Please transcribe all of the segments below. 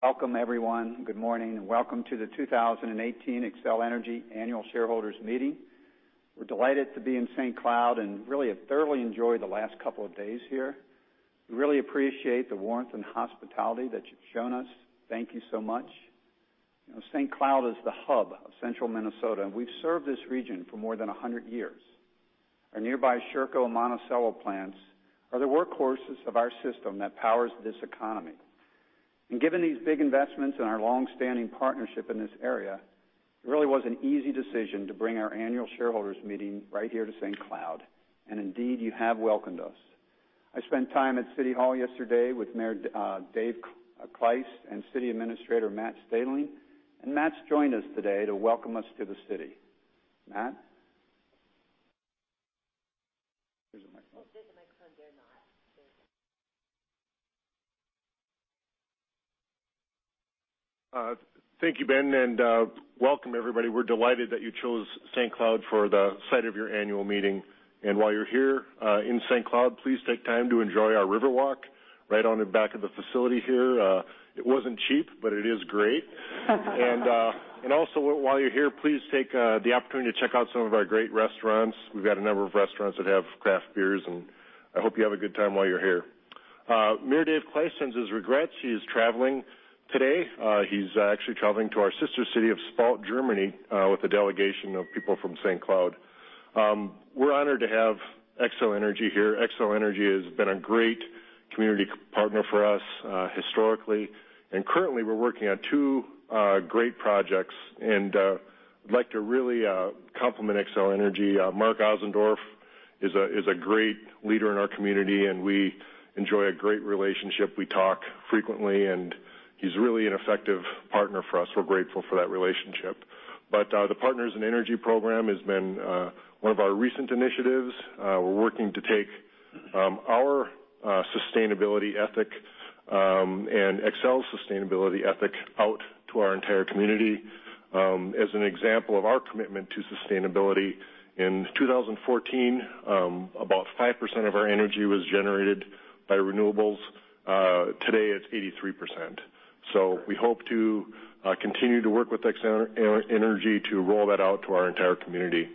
Welcome everyone. Good morning, welcome to the 2018 Xcel Energy Annual Shareholders Meeting. We're delighted to be in St. Cloud, really have thoroughly enjoyed the last couple of days here. We really appreciate the warmth and hospitality that you've shown us. Thank you so much. St. Cloud is the hub of central Minnesota, we've served this region for more than 100 years. Our nearby Sherco and Monticello plants are the workhorses of our system that powers this economy. Given these big investments and our long-standing partnership in this area, it really was an easy decision to bring our annual shareholders meeting right here to St. Cloud, indeed, you have welcomed us. I spent time at City Hall yesterday with Mayor Dave Kleis and City Administrator Matt Staehling, Matt's joined us today to welcome us to the city. Matt? Here's a microphone. There's a microphone there, Matt. Thank you, Ben, welcome everybody. We're delighted that you chose St. Cloud for the site of your annual meeting. While you're here in St. Cloud, please take time to enjoy our river walk right on the back of the facility here. It wasn't cheap, it is great. Also, while you're here, please take the opportunity to check out some of our great restaurants. We've got a number of restaurants that have craft beers, I hope you have a good time while you're here. Mayor Dave Kleis sends his regrets. He is traveling today. He's actually traveling to our sister city of Spalt, Germany, with a delegation of people from St. Cloud. We're honored to have Xcel Energy here. Xcel Energy has been a great community partner for us historically, currently, we're working on two great projects, I'd like to really compliment Xcel Energy. Mark Ossendorf is a great leader in our community, we enjoy a great relationship. We talk frequently, he's really an effective partner for us. We're grateful for that relationship. The Partners in Energy program has been one of our recent initiatives. We're working to take our sustainability ethic, Xcel's sustainability ethic out to our entire community. As an example of our commitment to sustainability, in 2014, about 5% of our energy was generated by renewables. Today, it's 83%. We hope to continue to work with Xcel Energy to roll that out to our entire community.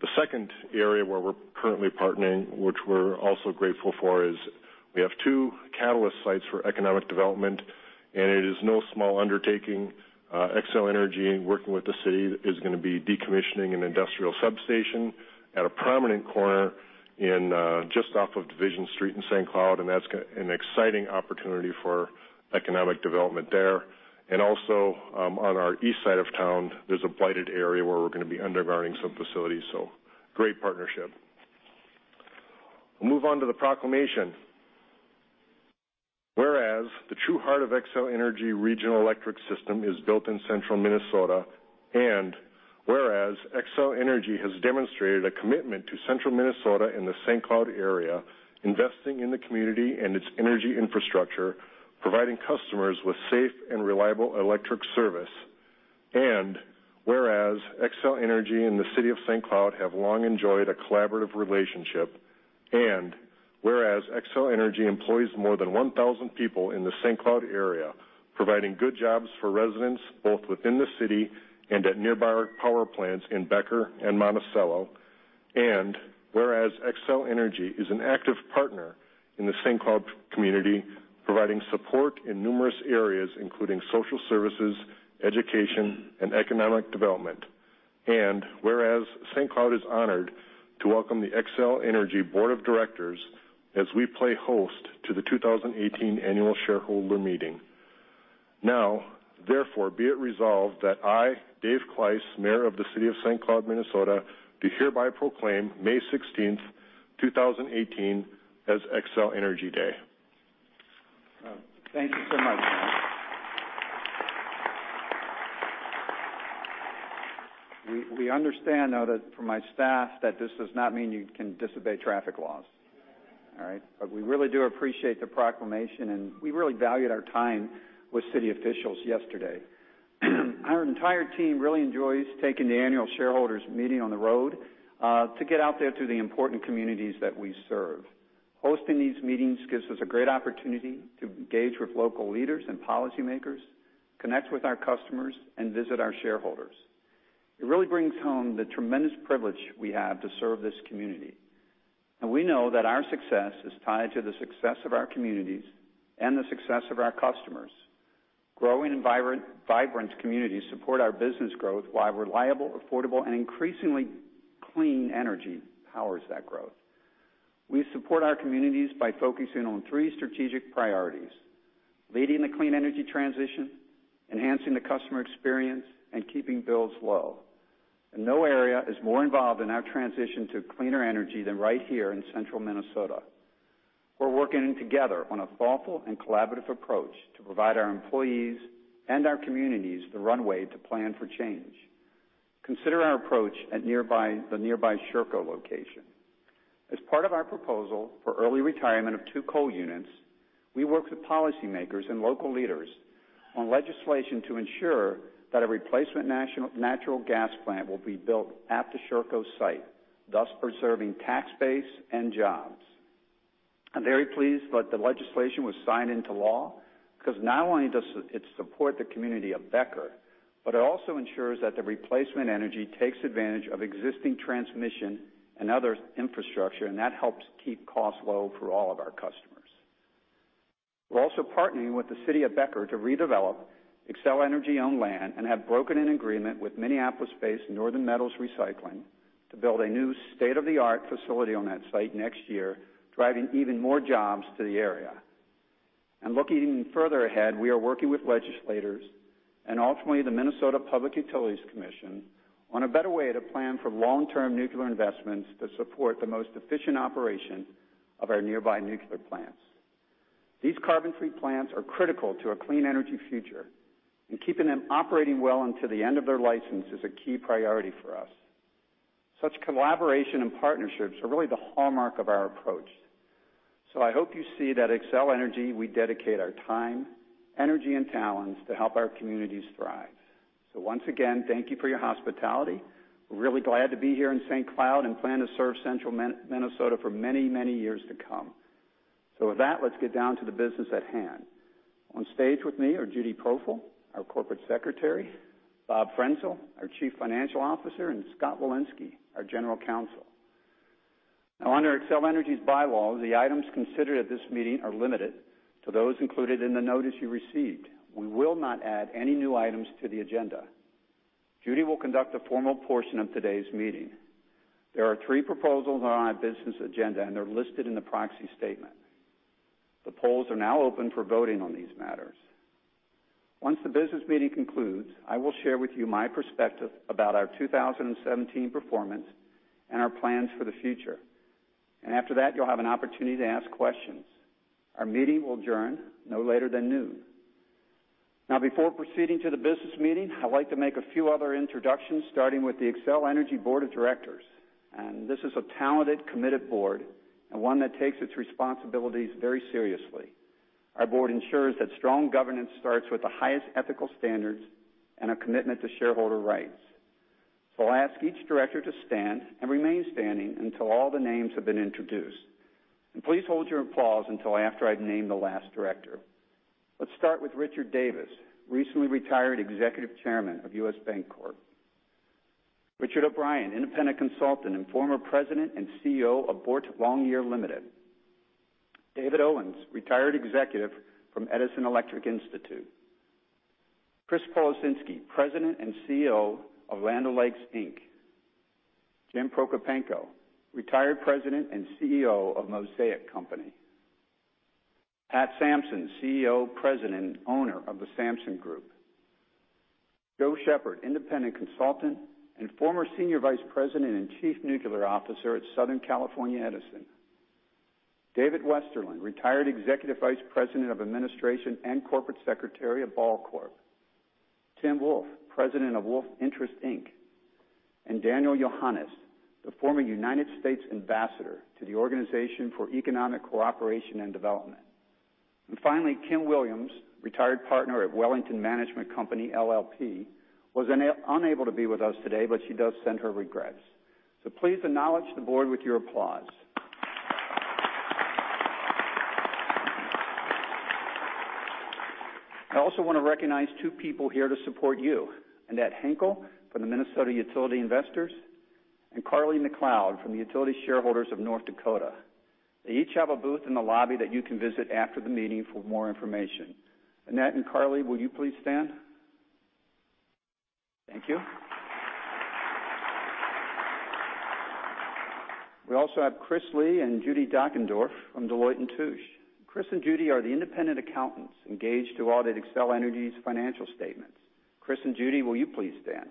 The second area where we're currently partnering, which we're also grateful for, is we have two catalyst sites for economic development, it is no small undertaking. Xcel Energy, working with the city, is going to be decommissioning an industrial substation at a prominent corner just off of Division Street in St. Cloud, that's an exciting opportunity for economic development there. Also, on our east side of town, there's a blighted area where we're going to be undergrounding some facilities. Great partnership. We'll move on to the proclamation. Whereas the true heart of Xcel Energy Regional Electric System is built in central Minnesota, whereas Xcel Energy has demonstrated a commitment to central Minnesota and the St. Cloud area, investing in the community and its energy infrastructure, providing customers with safe and reliable electric service. Whereas Xcel Energy and the City of St. Cloud have long enjoyed a collaborative relationship, whereas Xcel Energy employs more than 1,000 people in the St. Cloud area, providing good jobs for residents both within the city and at nearby power plants in Becker and Monticello. Whereas Xcel Energy is an active partner in the St. Cloud community, providing support in numerous areas, including social services, education, and economic development. Whereas St. Cloud is honored to welcome the Xcel Energy Board of Directors as we play host to the 2018 annual shareholder meeting. Now, therefore, be it resolved that I, Dave Kleis, Mayor of the City of St. Cloud, Minnesota, do hereby proclaim May 16th, 2018 as Xcel Energy Day. Thank you so much, Matt. We understand, though, from my staff, that this does not mean you can disobey traffic laws. All right? We really do appreciate the proclamation, we really valued our time with city officials yesterday. Our entire team really enjoys taking the annual shareholders meeting on the road to get out there to the important communities that we serve. Hosting these meetings gives us a great opportunity to engage with local leaders and policymakers, connect with our customers, and visit our shareholders. It really brings home the tremendous privilege we have to serve this community, we know that our success is tied to the success of our communities and the success of our customers. Growing and vibrant communities support our business growth while reliable, affordable, and increasingly clean energy powers that growth. We support our communities by focusing on three strategic priorities: leading the clean energy transition, enhancing the customer experience, and keeping bills low. No area is more involved in our transition to cleaner energy than right here in central Minnesota. We're working together on a thoughtful and collaborative approach to provide our employees and our communities the runway to plan for change. Consider our approach at the nearby Sherco location. As part of our proposal for early retirement of two coal units, we worked with policymakers and local leaders on legislation to ensure that a replacement natural gas plant will be built at the Sherco site, thus preserving tax base and jobs. I'm very pleased that the legislation was signed into law, because not only does it support the community of Becker, but it also ensures that the replacement energy takes advantage of existing transmission and other infrastructure, and that helps keep costs low for all of our customers. We're also partnering with the city of Becker to redevelop Xcel Energy-owned land and have broken an agreement with Minneapolis-based Northern Metal Recycling to build a new state-of-the-art facility on that site next year, driving even more jobs to the area. Looking even further ahead, we are working with legislators and ultimately the Minnesota Public Utilities Commission on a better way to plan for long-term nuclear investments that support the most efficient operation of our nearby nuclear plants. These carbon-free plants are critical to a clean energy future, keeping them operating well until the end of their license is a key priority for us. Such collaboration and partnerships are really the hallmark of our approach. I hope you see that at Xcel Energy, we dedicate our time, energy, and talents to help our communities thrive. Once again, thank you for your hospitality. We're really glad to be here in St. Cloud and plan to serve central Minnesota for many, many years to come. With that, let's get down to the business at hand. On stage with me are Judy Poferl, our Corporate Secretary, Bob Frenzel, our Chief Financial Officer, and Scott Wilensky, our General Counsel. Under Xcel Energy's bylaw, the items considered at this meeting are limited to those included in the notice you received. We will not add any new items to the agenda. Judy will conduct the formal portion of today's meeting. There are three proposals on our business agenda, they're listed in the proxy statement. The polls are now open for voting on these matters. Once the business meeting concludes, I will share with you my perspective about our 2017 performance and our plans for the future. After that, you'll have an opportunity to ask questions. Our meeting will adjourn no later than noon. Before proceeding to the business meeting, I'd like to make a few other introductions, starting with the Xcel Energy Board of Directors. This is a talented, committed board and one that takes its responsibilities very seriously. Our board ensures that strong governance starts with the highest ethical standards and a commitment to shareholder rights. I'll ask each director to stand and remain standing until all the names have been introduced. Please hold your applause until after I've named the last director. Let's start with Richard Davis, recently retired Executive Chairman of U.S. Bancorp. Richard O'Brien, independent consultant and former President and CEO of Boart Longyear Ltd. David Owens, retired executive from Edison Electric Institute. Chris Policinski, President and CEO of Land O'Lakes, Inc. Jim Prokopanko, retired President and CEO of The Mosaic Company. Pat Sampson, CEO, President, and owner of The Sampson Group. Joe Sheppard, independent consultant and former Senior Vice President and Chief Nuclear Officer at Southern California Edison. David Westerlund, retired Executive Vice President of Administration and Corporate Secretary of Ball Corp. Tim Wolf, president of Wolf Interests, Inc. Daniel Yohannes, the former United States Ambassador to the Organisation for Economic Co-operation and Development. Kim Williams, retired partner at Wellington Management Company LLP, was unable to be with us today, but she does send her regrets. Please acknowledge the board with your applause. I also want to recognize two people here to support you. Annette Henkel from the Minnesota Utility Investors, Carly McLeod from the Utility Shareholders of North Dakota. They each have a booth in the lobby that you can visit after the meeting for more information. Annette and Carly, will you please stand? Thank you. We also have Chris Lee and Judy Dockendorf from Deloitte & Touche. Chris and Judy are the independent accountants engaged to audit Xcel Energy's financial statements. Chris and Judy, will you please stand?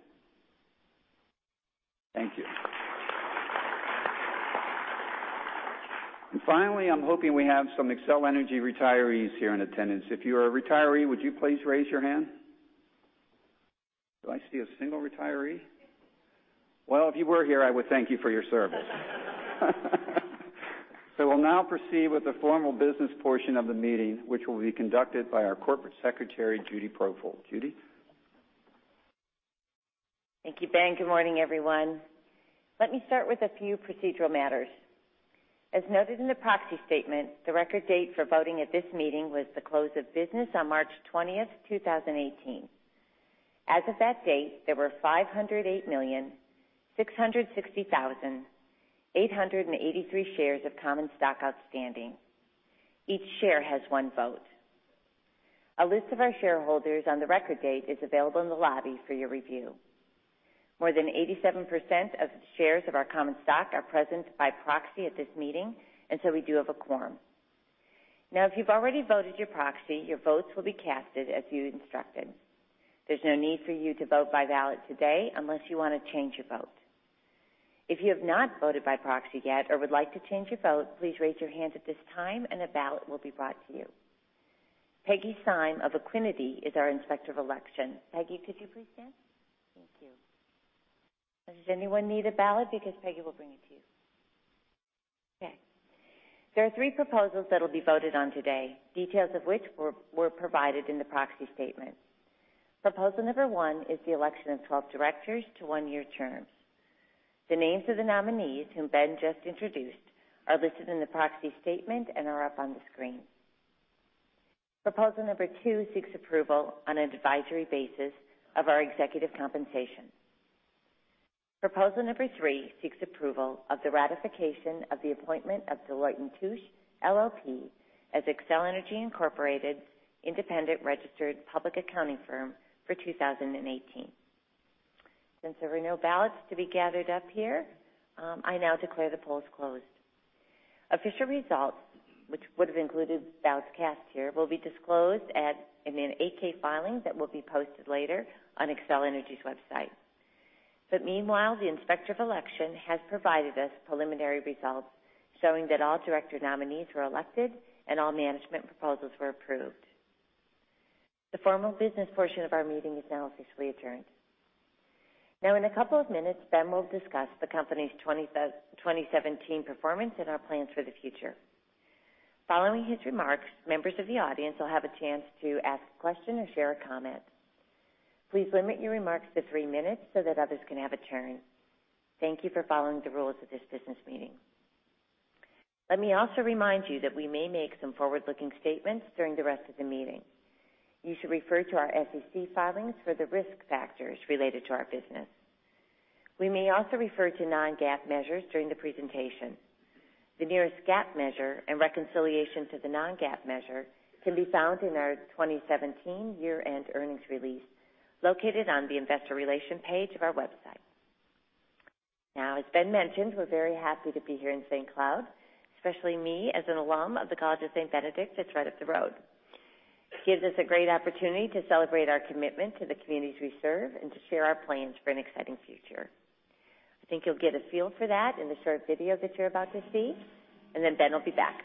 Thank you. I'm hoping we have some Xcel Energy retirees here in attendance. If you are a retiree, would you please raise your hand? Do I see a single retiree? Well, if you were here, I would thank you for your service. We'll now proceed with the formal business portion of the meeting, which will be conducted by our corporate secretary, Judy Poferl. Judy? Thank you, Ben. Good morning, everyone. Let me start with a few procedural matters. As noted in the proxy statement, the record date for voting at this meeting was the close of business on March 20th, 2018. As of that date, there were 508,660,883 shares of common stock outstanding. Each share has one vote. A list of our shareholders on the record date is available in the lobby for your review. More than 87% of shares of our common stock are present by proxy at this meeting, we do have a quorum. If you've already voted your proxy, your votes will be cast as you instructed. There's no need for you to vote by ballot today unless you want to change your vote. If you have not voted by proxy yet or would like to change your vote, please raise your hand at this time and a ballot will be brought to you. Peggy Sime of Equiniti is our Inspector of Election. Peggy, could you please stand? Thank you. Does anyone need a ballot? Because Peggy will bring it to you. There are three proposals that'll be voted on today, details of which were provided in the proxy statement. Proposal number 1 is the election of 12 directors to one-year terms. The names of the nominees, whom Ben just introduced, are listed in the proxy statement and are up on the screen. Proposal number 2 seeks approval on an advisory basis of our executive compensation. Proposal number 3 seeks approval of the ratification of the appointment of Deloitte & Touche LLP as Xcel Energy Incorporated independent registered public accounting firm for 2018. Since there are no ballots to be gathered up here, I now declare the polls closed. Official results, which would have included ballots cast here, will be disclosed in an 8-K filing that will be posted later on Xcel Energy's website. Meanwhile, the Inspector of Election has provided us preliminary results showing that all director nominees were elected and all management proposals were approved. The formal business portion of our meeting is now officially adjourned. In a couple of minutes, Ben will discuss the company's 2017 performance and our plans for the future. Following his remarks, members of the audience will have a chance to ask a question or share a comment. Please limit your remarks to three minutes so that others can have a turn. Thank you for following the rules of this business meeting. Let me also remind you that we may make some forward-looking statements during the rest of the meeting. You should refer to our SEC filings for the risk factors related to our business. We may also refer to non-GAAP measures during the presentation. The nearest GAAP measure and reconciliation to the non-GAAP measure can be found in our 2017 year-end earnings release located on the investor relation page of our website. As Ben mentioned, we're very happy to be here in St. Cloud, especially me, as an alum of the College of Saint Benedict that's right up the road. It gives us a great opportunity to celebrate our commitment to the communities we serve and to share our plans for an exciting future. I think you'll get a feel for that in the short video that you're about to see, and then Ben will be back.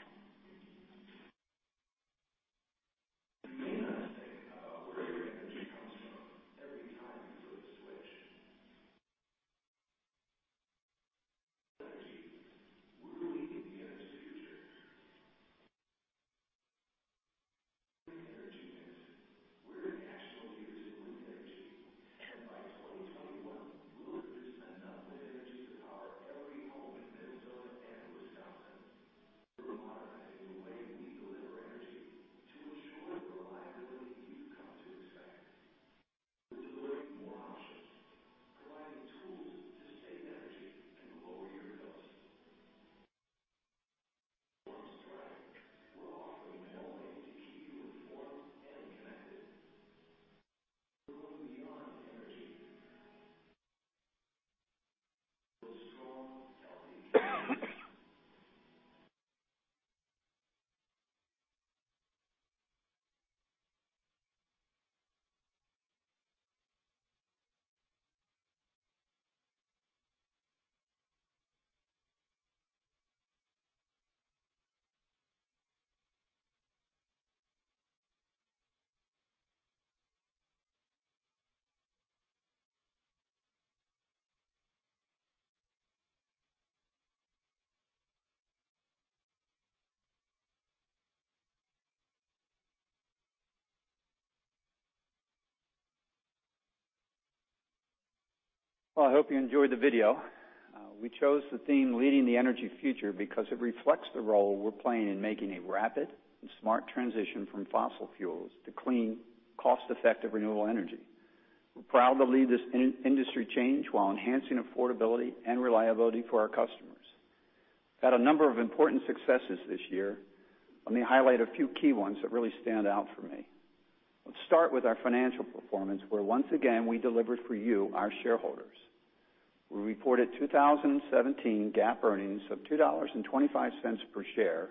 shareholders. We reported 2017 GAAP earnings of $2.25 per share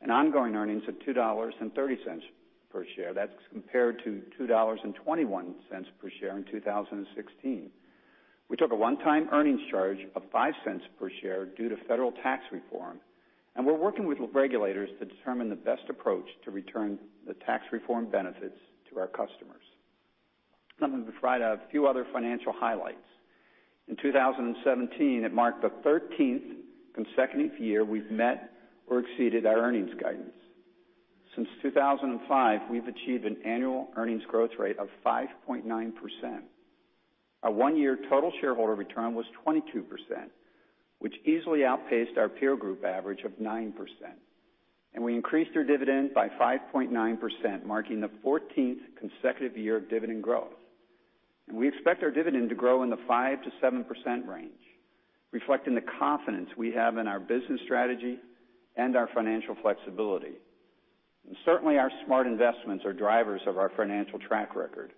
and ongoing earnings of $2.30 per share. That's compared to $2.21 per share in 2016. We took a one-time earnings charge of $0.05 per share due to federal tax reform, and we're working with regulators to determine the best approach to return the tax reform benefits to our customers. Let me provide a few other financial highlights. In 2017, it marked the 13th consecutive year we've met or exceeded our earnings guidance. Since 2005, we've achieved an annual earnings growth rate of 5.9%. Our one-year total shareholder return was 22%, which easily outpaced our peer group average of 9%. We increased our dividend by 5.9%, marking the 14th consecutive year of dividend growth. We expect our dividend to grow in the 5%-7% range, reflecting the confidence we have in our business strategy and our financial flexibility. Certainly, our smart investments are drivers of our financial track record.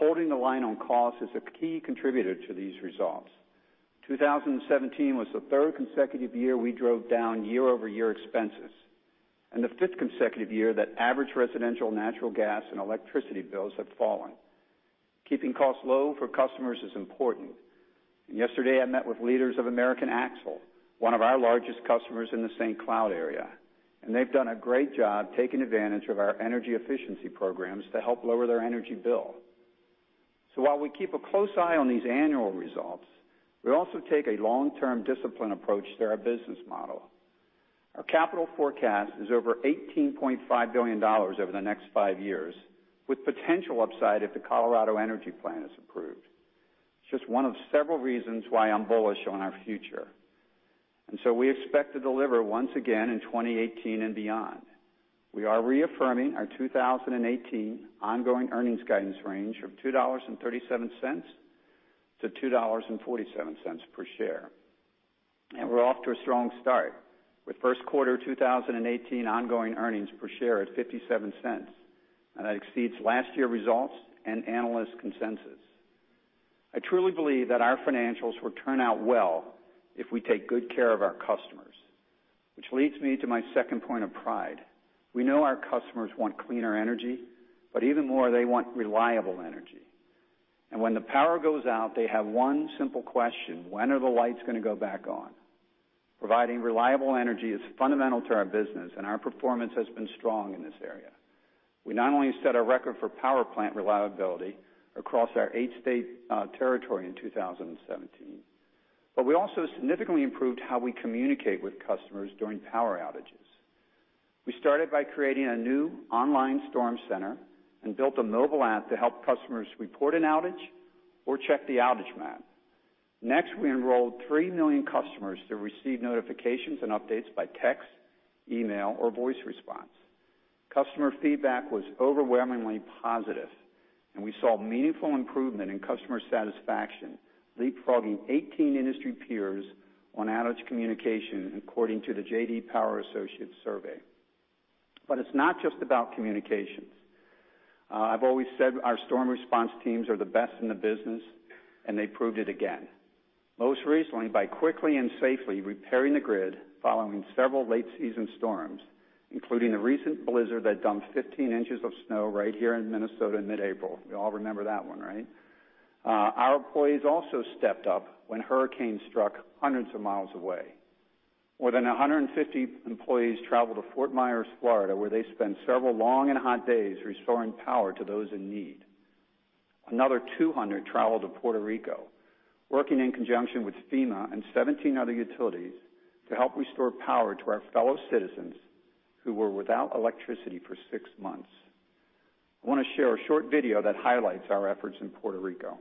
Holding the line on cost is a key contributor to these results. 2017 was the third consecutive year we drove down year-over-year expenses and the fifth consecutive year that average residential natural gas and electricity bills have fallen. Keeping costs low for customers is important. Yesterday, I met with leaders of American Axle, one of our largest customers in the St. Cloud area, and they've done a great job taking advantage of our energy efficiency programs to help lower their energy bill. While we keep a close eye on these annual results, we also take a long-term discipline approach to our business model. Our capital forecast is over $18.5 billion over the next five years, with potential upside if the Colorado energy plan is approved. It's just one of several reasons why I'm bullish on our future, we expect to deliver once again in 2018 and beyond. We are reaffirming our 2018 ongoing earnings guidance range of $2.37-$2.47 per share. We're off to a strong start with first quarter 2018 ongoing earnings per share at $0.57, that exceeds last year results and analyst consensus. I truly believe that our financials will turn out well if we take good care of our customers, which leads me to my second point of pride. We know our customers want cleaner energy, but even more, they want reliable energy. When the power goes out, they have one simple question, when are the lights going to go back on? Providing reliable energy is fundamental to our business, and our performance has been strong in this area. We not only set a record for power plant reliability across our eight-state territory in 2017, but we also significantly improved how we communicate with customers during power outages. We started by creating a new online storm center and built a mobile app to help customers report an outage or check the outage map. Next, we enrolled 3 million customers to receive notifications and updates by text, email, or voice response. Customer feedback was overwhelmingly positive, and we saw meaningful improvement in customer satisfaction, leapfrogging 18 industry peers on outage communication, according to the J.D. Power Associate Survey. It's not just about communications. I've always said our storm response teams are the best in the business, and they proved it again, most recently by quickly and safely repairing the grid following several late-season storms, including the recent blizzard that dumped 15 inches of snow right here in Minnesota in mid-April. We all remember that one, right? Our employees also stepped up when hurricane struck hundreds of miles away. More than 150 employees traveled to Fort Myers, Florida, where they spent several long and hot days restoring power to those in need. Another 200 traveled to Puerto Rico, working in conjunction with FEMA and 17 other utilities to help restore power to our fellow citizens who were without electricity for six months. I want to share a short video that highlights our efforts in Puerto Rico.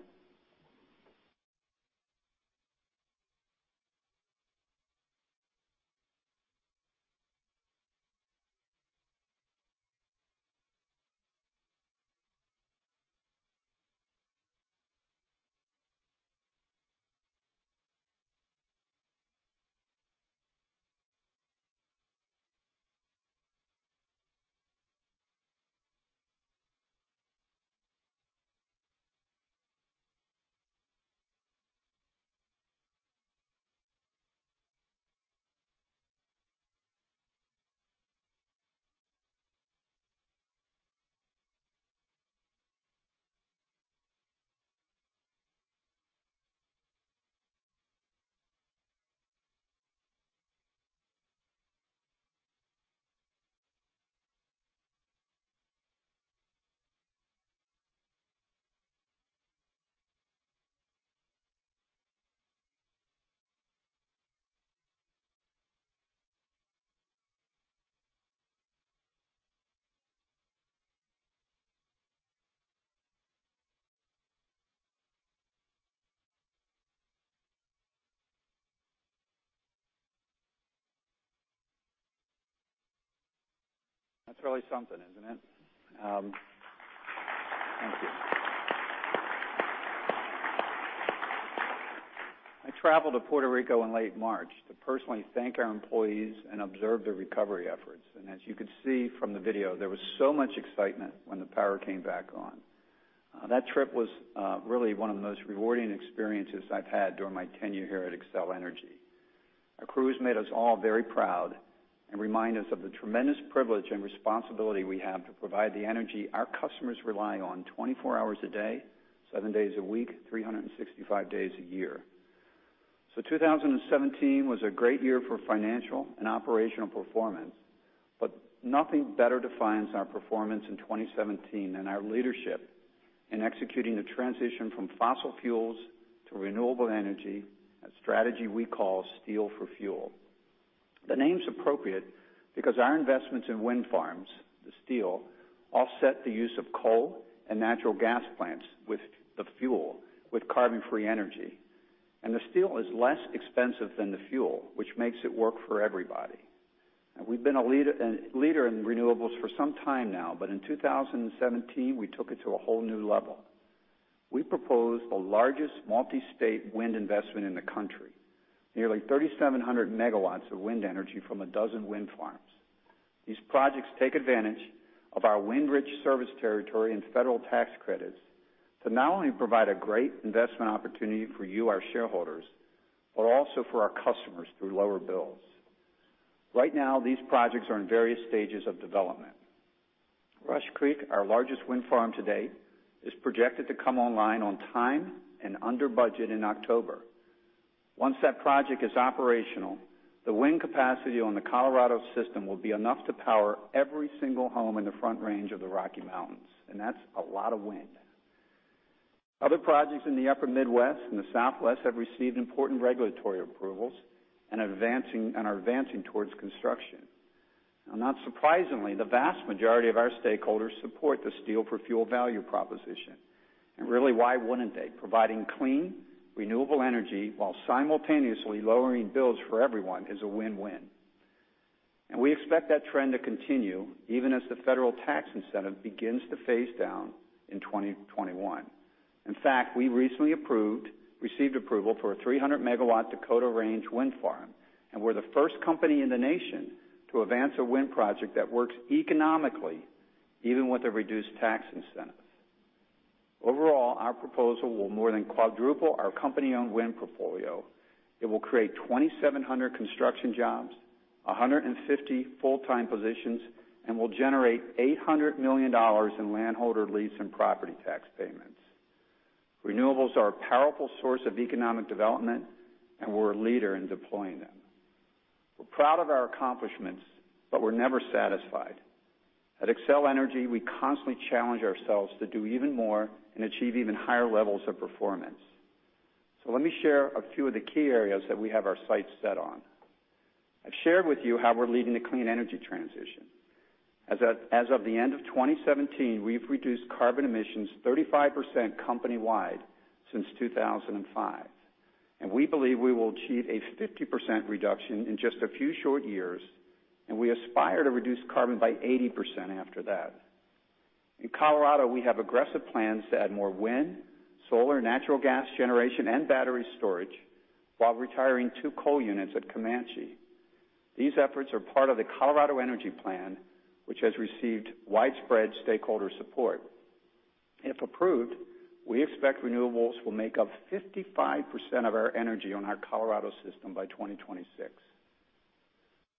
That's really something, isn't it? Thank you. I traveled to Puerto Rico in late March to personally thank our employees and observe their recovery efforts. As you can see from the video, there was so much excitement when the power came back on. That trip was really one of the most rewarding experiences I've had during my tenure here at Xcel Energy. Our crews made us all very proud and remind us of the tremendous privilege and responsibility we have to provide the energy our customers rely on 24 hours a day, seven days a week, 365 days a year. 2017 was a great year for financial and operational performance, but nothing better defines our performance in 2017 than our leadership in executing the transition from fossil fuels to renewable energy, a strategy we call Steel for Fuel. The name's appropriate because our investments in wind farms, the steel, offset the use of coal and natural gas plants with the fuel, with carbon-free energy. The steel is less expensive than the fuel, which makes it work for everybody. We've been a leader in renewables for some time now, but in 2017, we took it to a whole new level. We proposed the largest multi-state wind investment in the country, nearly 3,700 megawatts of wind energy from a dozen wind farms. These projects take advantage of our wind-rich service territory and federal tax credits to not only provide a great investment opportunity for you, our shareholders, but also for our customers through lower bills. Right now, these projects are in various stages of development. Rush Creek, our largest wind farm to date, is projected to come online on time and under budget in October. Once that project is operational, the wind capacity on the Colorado system will be enough to power every single home in the Front Range of the Rocky Mountains, and that's a lot of wind. Other projects in the upper Midwest and the Southwest have received important regulatory approvals and are advancing towards construction. Not surprisingly, the vast majority of our stakeholders support the Steel for Fuel value proposition. Really, why wouldn't they? Providing clean, renewable energy while simultaneously lowering bills for everyone is a win-win. We expect that trend to continue even as the federal tax incentive begins to phase down in 2021. In fact, we recently received approval for a 300-megawatt Dakota Range wind farm, we're the first company in the nation to advance a wind project that works economically even with a reduced tax incentive. Overall, our proposal will more than quadruple our company-owned wind portfolio. It will create 2,700 construction jobs, 150 full-time positions, will generate $800 million in landholder lease and property tax payments. Renewables are a powerful source of economic development, we're a leader in deploying them. We're proud of our accomplishments, but we're never satisfied. At Xcel Energy, we constantly challenge ourselves to do even more and achieve even higher levels of performance. Let me share a few of the key areas that we have our sights set on. I've shared with you how we're leading the clean energy transition. As of the end of 2017, we've reduced carbon emissions 35% company-wide since 2005. We believe we will achieve a 50% reduction in just a few short years, and we aspire to reduce carbon by 80% after that. In Colorado, we have aggressive plans to add more wind, solar, natural gas generation, and battery storage while retiring two coal units at Comanche. These efforts are part of the Colorado Energy Plan, which has received widespread stakeholder support. If approved, we expect renewables will make up 55% of our energy on our Colorado system by 2026.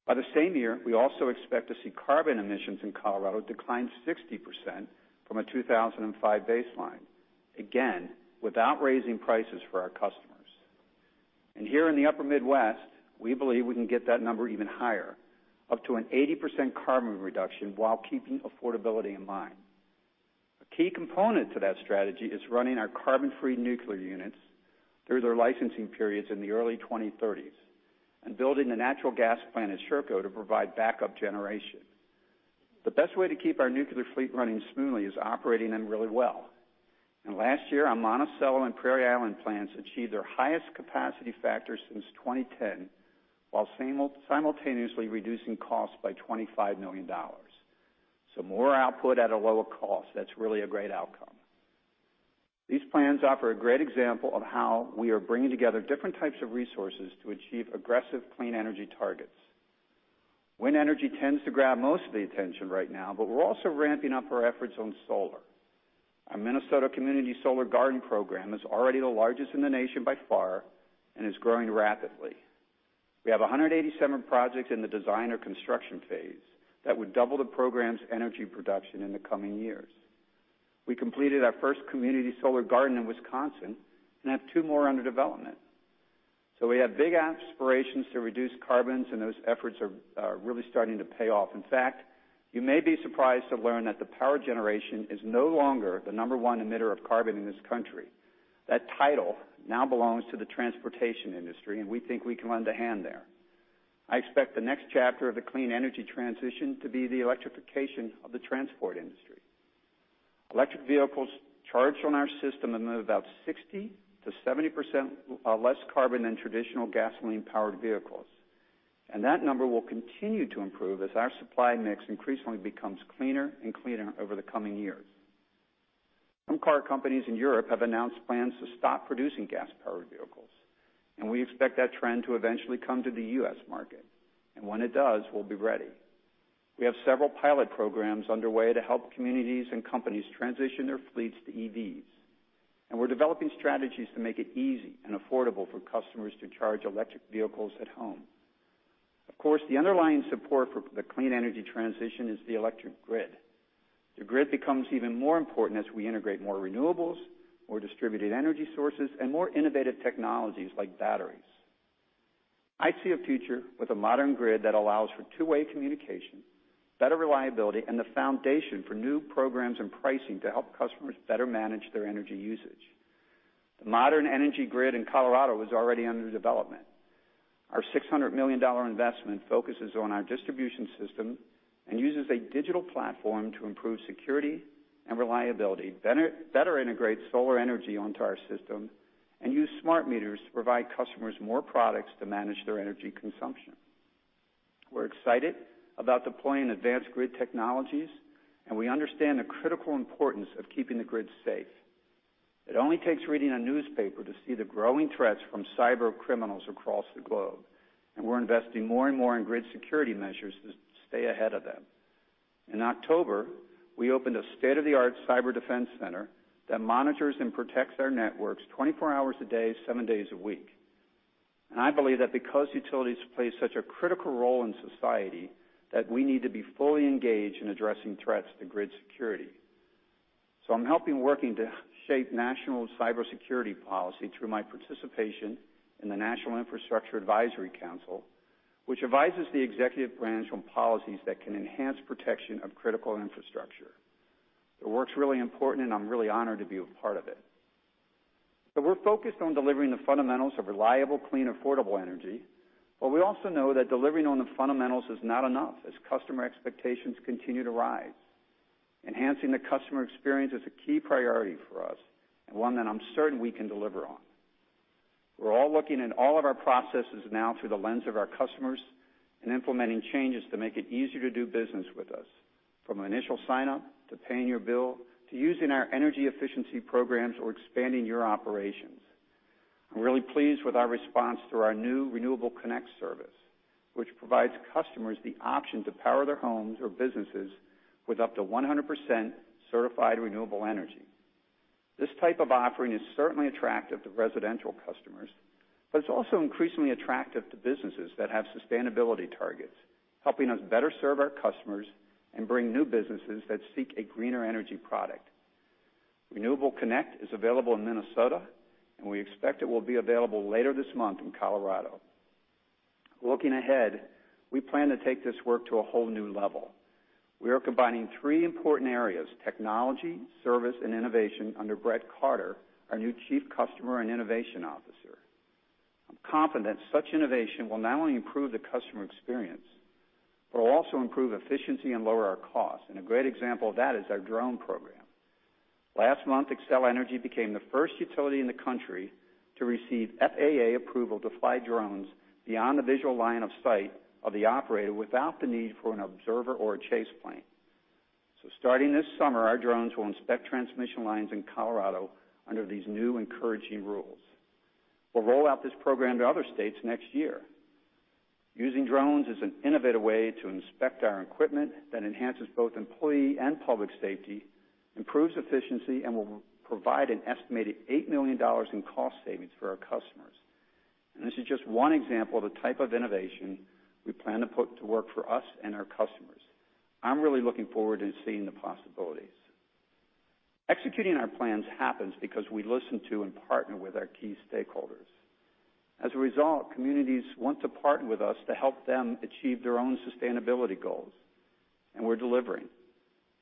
By the same year, we also expect to see carbon emissions in Colorado decline 60% from a 2005 baseline, again, without raising prices for our customers. Here in the upper Midwest, we believe we can get that number even higher, up to an 80% carbon reduction while keeping affordability in mind. A key component to that strategy is running our carbon-free nuclear units through their licensing periods in the early 2030s and building a natural gas plant at Sherco to provide backup generation. The best way to keep our nuclear fleet running smoothly is operating them really well. Last year, our Monticello and Prairie Island plants achieved their highest capacity factor since 2010 while simultaneously reducing costs by $25 million. More output at a lower cost, that's really a great outcome. These plans offer a great example of how we are bringing together different types of resources to achieve aggressive clean energy targets. Wind energy tends to grab most of the attention right now, but we're also ramping up our efforts on solar. Our Minnesota Community Solar Garden program is already the largest in the nation by far and is growing rapidly. We have 187 projects in the design or construction phase that would double the program's energy production in the coming years. We completed our first community solar garden in Wisconsin and have two more under development. We have big aspirations to reduce carbons, and those efforts are really starting to pay off. In fact, you may be surprised to learn that the power generation is no longer the number 1 emitter of carbon in this country. That title now belongs to the transportation industry, and we think we can lend a hand there. I expect the next chapter of the clean energy transition to be the electrification of the transport industry. Electric vehicles charged on our system emit about 60%-70% less carbon than traditional gasoline-powered vehicles. That number will continue to improve as our supply mix increasingly becomes cleaner and cleaner over the coming years. Some car companies in Europe have announced plans to stop producing gas-powered vehicles, and we expect that trend to eventually come to the U.S. market. When it does, we'll be ready. We have several pilot programs underway to help communities and companies transition their fleets to EVs, and we're developing strategies to make it easy and affordable for customers to charge electric vehicles at home. Of course, the underlying support for the clean energy transition is the electric grid. The grid becomes even more important as we integrate more renewables, more distributed energy sources, and more innovative technologies like batteries. I see a future with a modern grid that allows for two-way communication, better reliability, and the foundation for new programs and pricing to help customers better manage their energy usage. The modern energy grid in Colorado is already under development. Our $600 million investment focuses on our distribution system and uses a digital platform to improve security and reliability, better integrate solar energy onto our system, and use smart meters to provide customers more products to manage their energy consumption. We're excited about deploying advanced grid technologies, and we understand the critical importance of keeping the grid safe. It only takes reading a newspaper to see the growing threats from cybercriminals across the globe, and we're investing more and more in grid security measures to stay ahead of them. In October, we opened a state-of-the-art cyberdefense center that monitors and protects our networks 24 hours a day, seven days a week. I believe that because utilities play such a critical role in society, that we need to be fully engaged in addressing threats to grid security. I'm helping to shape national cybersecurity policy through my participation in the National Infrastructure Advisory Council, which advises the executive branch on policies that can enhance protection of critical infrastructure. The work's really important, and I'm really honored to be a part of it. We're focused on delivering the fundamentals of reliable, clean, affordable energy, but we also know that delivering on the fundamentals is not enough as customer expectations continue to rise. Enhancing the customer experience is a key priority for us and one that I'm certain we can deliver on. We're all looking in all of our processes now through the lens of our customers and implementing changes to make it easier to do business with us, from initial sign-up to paying your bill, to using our energy efficiency programs or expanding your operations. I'm really pleased with our response to our new Renewable*Connect service, which provides customers the option to power their homes or businesses with up to 100% certified renewable energy. This type of offering is certainly attractive to residential customers, but it's also increasingly attractive to businesses that have sustainability targets, helping us better serve our customers and bring new businesses that seek a greener energy product. Renewable*Connect is available in Minnesota, and we expect it will be available later this month in Colorado. Looking ahead, we plan to take this work to a whole new level. We are combining three important areas, technology, service, and innovation under Brett Carter, our new Chief Customer and Innovation Officer. I'm confident such innovation will not only improve the customer experience, but will also improve efficiency and lower our costs. A great example of that is our drone program. Last month, Xcel Energy became the first utility in the country to receive FAA approval to fly drones beyond the visual line of sight of the operator without the need for an observer or a chase plane. Starting this summer, our drones will inspect transmission lines in Colorado under these new encouraging rules. We'll roll out this program to other states next year. Using drones is an innovative way to inspect our equipment that enhances both employee and public safety, improves efficiency, and will provide an estimated $8 million in cost savings for our customers. This is just one example of the type of innovation we plan to put to work for us and our customers. I am really looking forward to seeing the possibilities. Executing our plans happens because we listen to and partner with our key stakeholders. As a result, communities want to partner with us to help them achieve their own sustainability goals, and we are delivering.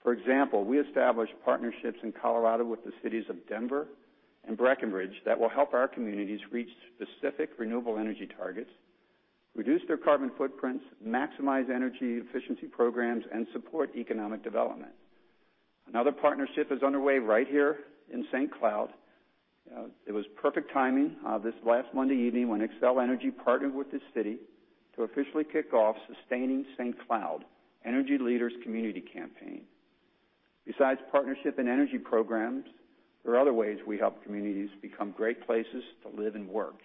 For example, we established partnerships in Colorado with the cities of Denver and Breckenridge that will help our communities reach specific renewable energy targets, reduce their carbon footprints, maximize energy efficiency programs, and support economic development. Another partnership is underway right here in St. Cloud. It was perfect timing this last Monday evening when Xcel Energy partnered with the city to officially kick off Sustaining St. Cloud, Energy Leaders Community Campaign. Besides partnership and energy programs, there are other ways we help communities become great places to live and work.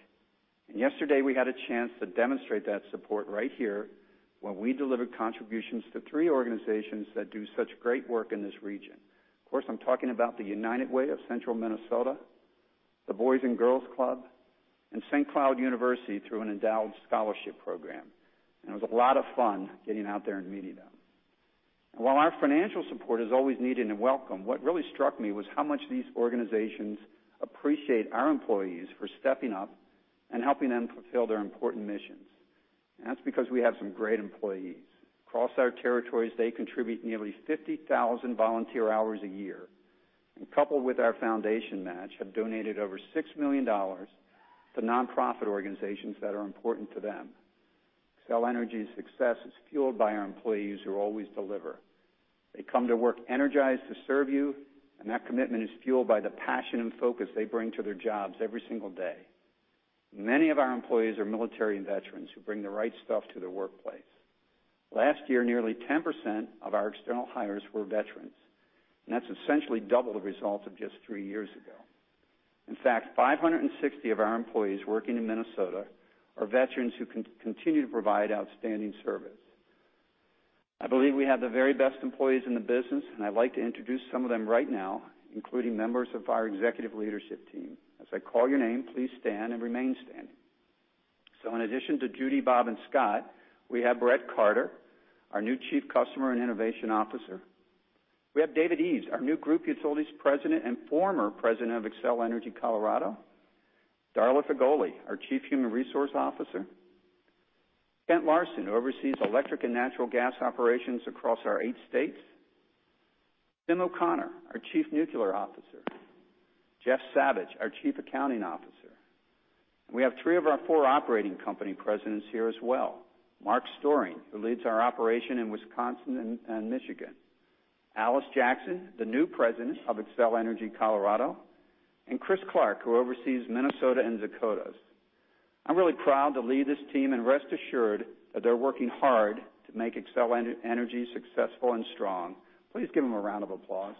And yesterday, we had a chance to demonstrate that support right here when we delivered contributions to three organizations that do such great work in this region. Of course, I am talking about the United Way of Central Minnesota, the Boys and Girls Club, and St. Cloud State University through an endowed scholarship program. And it was a lot of fun getting out there and meeting them. And while our financial support is always needed and welcome, what really struck me was how much these organizations appreciate our employees for stepping up and helping them fulfill their important missions. And that is because we have some great employees. Across our territories, they contribute nearly 50,000 volunteer hours a year, and coupled with our foundation match, have donated over $6 million to nonprofit organizations that are important to them. Xcel Energy’s success is fueled by our employees who always deliver. They come to work energized to serve you, and that commitment is fueled by the passion and focus they bring to their jobs every single day. Many of our employees are military veterans who bring the right stuff to their workplace. Last year, nearly 10% of our external hires were veterans, and that is essentially double the result of just 3 years ago. In fact, 560 of our employees working in Minnesota are veterans who continue to provide outstanding service. I believe we have the very best employees in the business, and I would like to introduce some of them right now, including members of our Executive Leadership Team. As I call your name, please stand and remain standing. In addition to Judy Poferl, Bob, and Scott Wilensky, we have Brett Carter, our new Chief Customer and Innovation Officer. We have David Eves, our new Group Utilities President and former President of Xcel Energy Colorado. Darla Figoli, our Chief Human Resource Officer. Kent Larson, who oversees electric and natural gas operations across our 8 states. Tim O’Connor, our Chief Nuclear Officer. Jeff Savage, our Chief Accounting Officer. And we have three of our four operating company presidents here as well. Mark Stoering, who leads our operation in Wisconsin and Michigan. Alice Jackson, the new President of Xcel Energy Colorado, and Chris Clark, who oversees Minnesota and Dakotas. I am really proud to lead this team, and rest assured that they are working hard to make Xcel Energy successful and strong. Please give them a round of applause.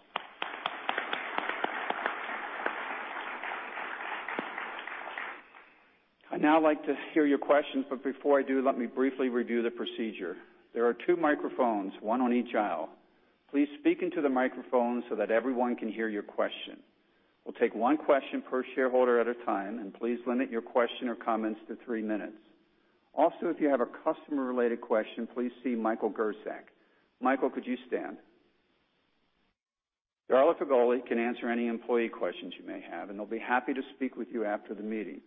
I'd now like to hear your questions. Before I do, let me briefly review the procedure. There are two microphones, one on each aisle. Please speak into the microphone so that everyone can hear your question. We'll take one question per shareholder at a time. Please limit your question or comments to 3 minutes. If you have a customer-related question, please see Michael Griesgraber. Michael, could you stand? Darla Figoli can answer any employee questions you may have, and they'll be happy to speak with you after the meeting.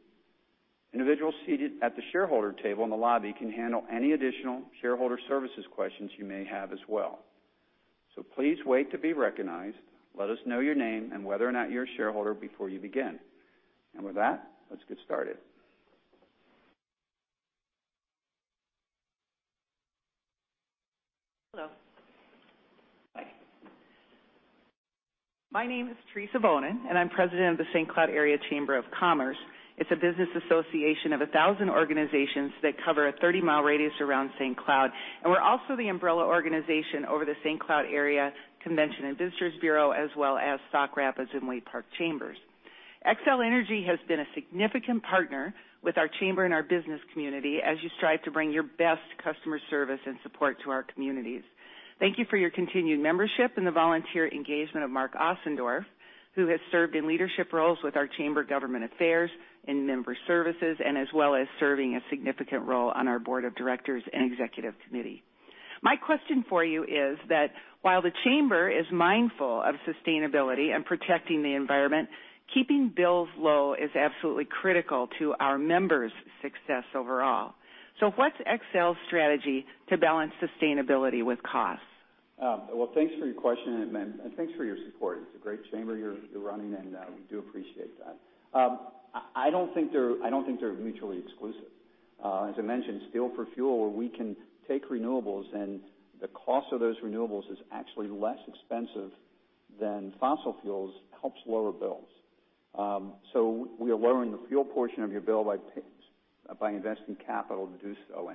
Individuals seated at the shareholder table in the lobby can handle any additional shareholder services questions you may have as well. Please wait to be recognized, let us know your name, and whether or not you're a shareholder before you begin. With that, let's get started. Hello. My name is Teresa Bohnen, and I'm president of the St. Cloud Area Chamber of Commerce. It's a business association of 1,000 organizations that cover a 30-mile radius around St. Cloud. We're also the umbrella organization over the St. Cloud Area Convention & Visitors Bureau, as well as Sauk Rapids and Waite Park Chambers. Xcel Energy has been a significant partner with our chamber and our business community as you strive to bring your best customer service and support to our communities. Thank you for your continued membership and the volunteer engagement of Mark Ostenso, who has served in leadership roles with our chamber government affairs and member services and as well as serving a significant role on our board of directors and executive committee. My question for you is that while the chamber is mindful of sustainability and protecting the environment, keeping bills low is absolutely critical to our members' success overall. What's Xcel's strategy to balance sustainability with costs? Thanks for your question and thanks for your support. It's a great chamber you're running, and we do appreciate that. I don't think they're mutually exclusive. As I mentioned, Steel for Fuel, where we can take renewables and the cost of those renewables is actually less expensive than fossil fuels, helps lower bills. We are lowering the fuel portion of your bill by investing capital to do so.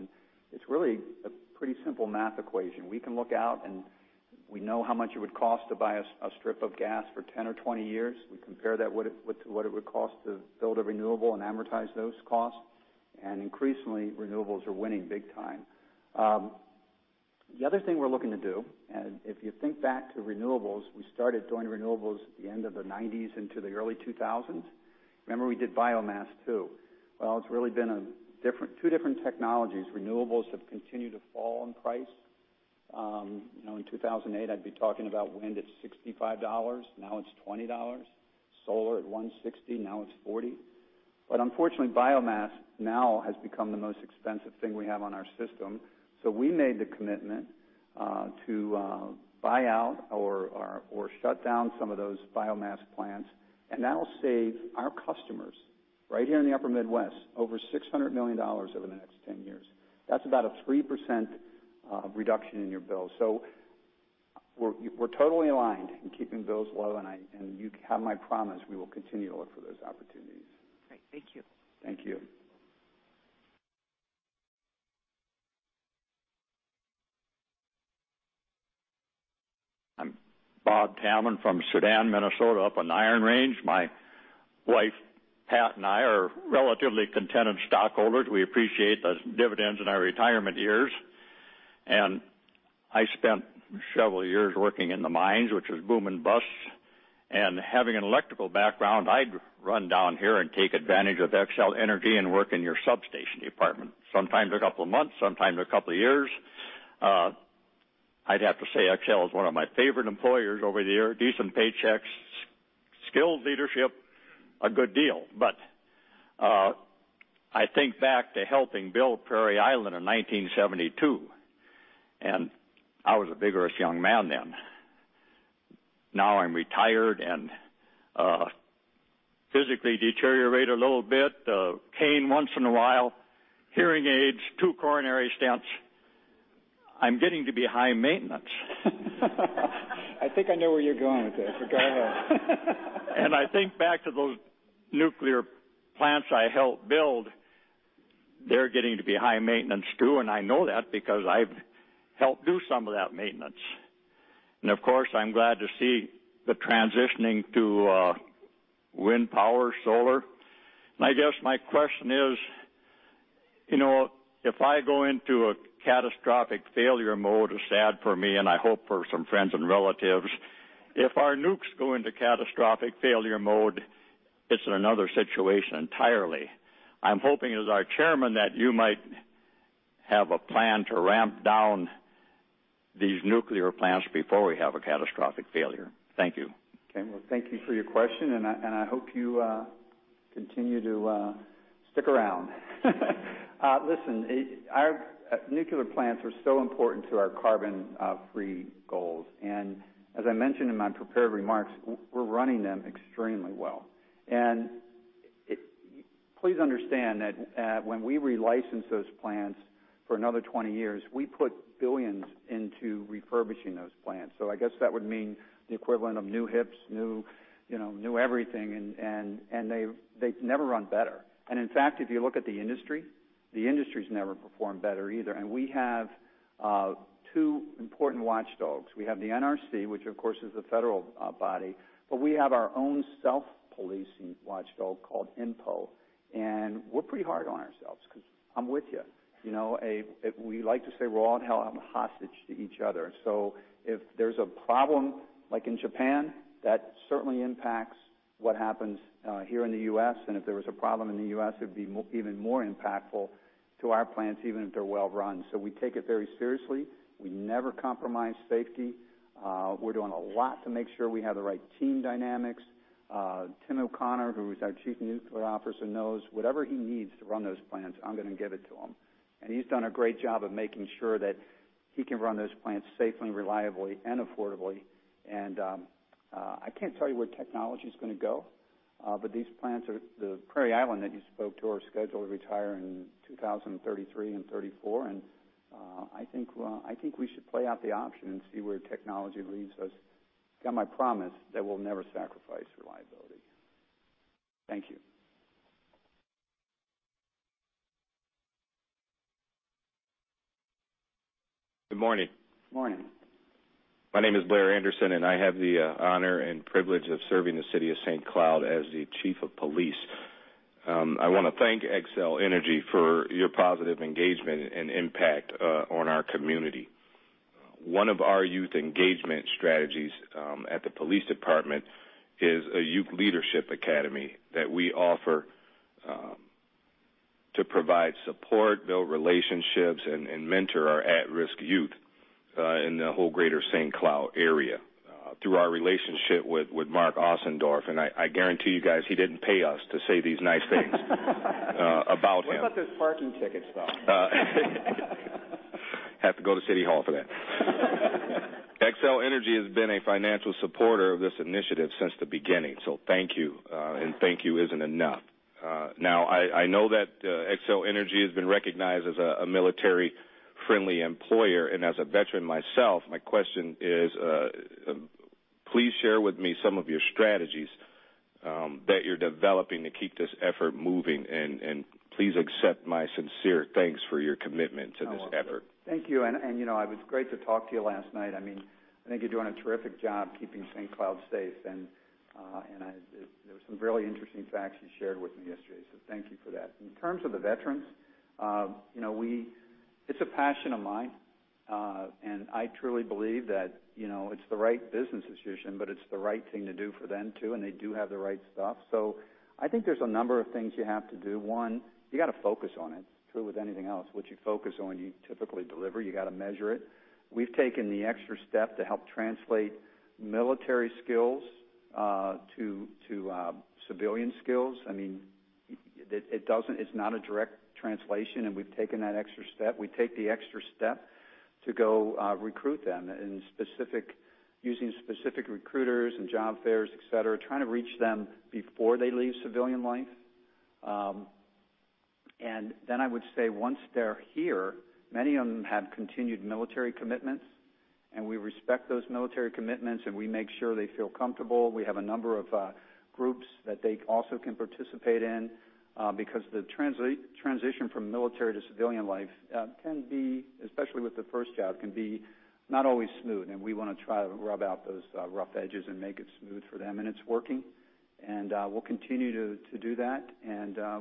It's really a pretty simple math equation. We can look out and we know how much it would cost to buy a strip of gas for 10 or 20 years. We compare that with what it would cost to build a renewable and amortize those costs. Increasingly, renewables are winning big time. The other thing we're looking to do, if you think back to renewables, we started doing renewables at the end of the '90s into the early 2000s. Remember, we did biomass, too. Well, it's really been two different technologies. Renewables have continued to fall in price. In 2008, I'd be talking about wind at $65. Now it's $20. Solar at $160, now it's $40. Unfortunately, biomass now has become the most expensive thing we have on our system. We made the commitment to buy out or shut down some of those biomass plants, and that'll save our customers right here in the Upper Midwest over $600 million over the next 10 years. That's about a 3% reduction in your bill. We're totally aligned in keeping bills low, and you have my promise, we will continue to look for those opportunities. Great. Thank you. Thank you. I'm Bob Tammen from Soudan, Minnesota, up in Iron Range. My wife Pat and I are relatively contented stockholders. We appreciate those dividends in our retirement years. I spent several years working in the mines, which was boom and bust. Having an electrical background, I'd run down here and take advantage of Xcel Energy and work in your substation department, sometimes a couple of months, sometimes a couple of years. I'd have to say Xcel is one of my favorite employers over the year. Decent paychecks, skilled leadership, a good deal. I think back to helping build Prairie Island in 1972, and I was a vigorous young man then. Now I'm retired and physically deteriorated a little bit. A cane once in a while, hearing aids, two coronary stents. I'm getting to be high maintenance. I think I know where you're going with this. Go ahead. I think back to those nuclear plants I helped build. They're getting to be high maintenance, too, and I know that because I've helped do some of that maintenance. Of course, I'm glad to see the transitioning to wind power, solar. I guess my question is if I go into a catastrophic failure mode, it's sad for me and I hope for some friends and relatives. If our nukes go into catastrophic failure mode, it's another situation entirely. I'm hoping as our chairman that you might have a plan to ramp down these nuclear plants before we have a catastrophic failure. Thank you. Okay. Well, thank you for your question, and I hope you continue to stick around. Listen, our nuclear plants are so important to our carbon-free goals. As I mentioned in my prepared remarks, we're running them extremely well. Please understand that when we relicense those plants for another 20 years, we put $billions into refurbishing those plants. I guess that would mean the equivalent of new hips, new everything, and they've never run better. In fact, if you look at the industry, the industry's never performed better either. We have two important watchdogs. We have the NRC, which of course is the federal body, but we have our own self-policing watchdog called INPO. We're pretty hard on ourselves because I'm with you. We like to say we're all in hell, I'm a hostage to each other. If there's a problem, like in Japan, that certainly impacts what happens here in the U.S., and if there was a problem in the U.S., it'd be even more impactful to our plants, even if they're well run. We take it very seriously. We never compromise safety. We're doing a lot to make sure we have the right team dynamics. Tim O'Connor, who is our Chief Nuclear Officer, knows whatever he needs to run those plants, I'm going to give it to him. He's done a great job of making sure that he can run those plants safely, reliably, and affordably. I can't tell you where technology's going to go, but The Prairie Island that you spoke to are scheduled to retire in 2033 and 2034, and I think we should play out the option and see where technology leads us. You got my promise that we'll never sacrifice reliability. Thank you. Good morning. Morning. My name is Blair Anderson, I have the honor and privilege of serving the city of Saint Cloud as the chief of police. I want to thank Xcel Energy for your positive engagement and impact on our community. One of our youth engagement strategies at the police department is a youth leadership academy that we offer to provide support, build relationships, and mentor our at-risk youth in the whole greater Saint Cloud area through our relationship with Mark Ossendorf. I guarantee you guys, he didn't pay us to say these nice things about him. What about those parking tickets, though? Have to go to City Hall for that. Xcel Energy has been a financial supporter of this initiative since the beginning. Thank you. Thank you isn't enough. I know that Xcel Energy has been recognized as a military-friendly employer, and as a veteran myself, my question is, please share with me some of your strategies that you're developing to keep this effort moving, and please accept my sincere thanks for your commitment to this effort. Thank you. It was great to talk to you last night. I think you're doing a terrific job keeping Saint Cloud safe. There were some really interesting facts you shared with me yesterday, so thank you for that. In terms of the veterans, it's a passion of mine. I truly believe that it's the right business decision, but it's the right thing to do for them, too, and they do have the right stuff. I think there's a number of things you have to do. One, you got to focus on it. True with anything else. What you focus on, you typically deliver. You got to measure it. We've taken the extra step to help translate military skills to civilian skills. It's not a direct translation, and we've taken that extra step. We take the extra step to go recruit them using specific recruiters and job fairs, et cetera, trying to reach them before they leave civilian life. I would say, once they're here, many of them have continued military commitments, and we respect those military commitments, and we make sure they feel comfortable. We have a number of groups that they also can participate in, because the transition from military to civilian life can be, especially with the first job, can be not always smooth. We want to try to rub out those rough edges and make it smooth for them. It's working. We'll continue to do that.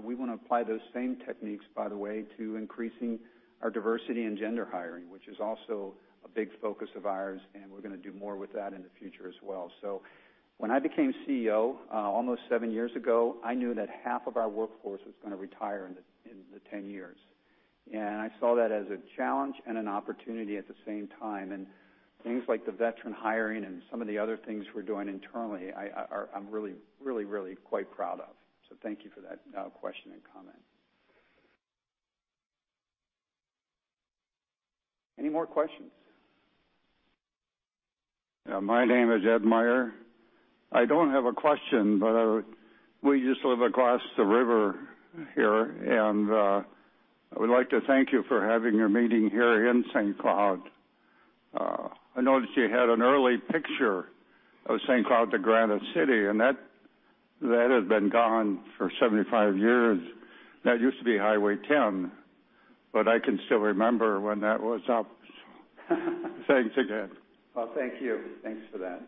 We want to apply those same techniques, by the way, to increasing our diversity and gender hiring, which is also a big focus of ours, and we're going to do more with that in the future as well. When I became CEO, almost seven years ago, I knew that half of our workforce was going to retire in the 10 years. I saw that as a challenge and an opportunity at the same time. Things like the veteran hiring and some of the other things we're doing internally, I'm really quite proud of. Thank you for that question and comment. Any more questions? My name is Ed Meyer. I don't have a question. We used to live across the river here, I would like to thank you for having your meeting here in St. Cloud. I noticed you had an early picture of St. Cloud to Granite City, that has been gone for 75 years. That used to be Highway 10, I can still remember when that was up. Thanks again. Well, thank you. Thanks for that.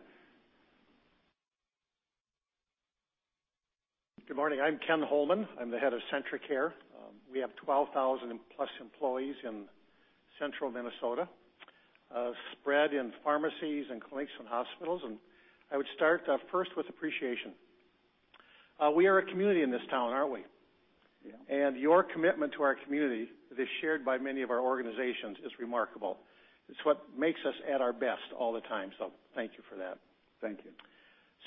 Good morning. I'm Ken Holmen. I'm the head of CentraCare. We have 12,000-plus employees in Central Minnesota, spread in pharmacies and clinics and hospitals. I would start first with appreciation. We are a community in this town, aren't we? Yeah. Your commitment to our community that is shared by many of our organizations is remarkable. It's what makes us at our best all the time. Thank you for that. Thank you.